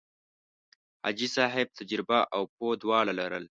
حاجي صاحب تجربه او پوه دواړه لرل.